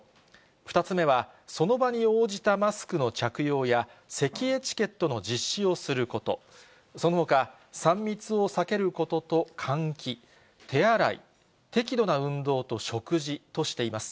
２つ目は、その場に応じたマスクの着用や、せきエチケットの実施をすること、そのほか、３密を避けることと換気、手洗い、適度な運動と食事としています。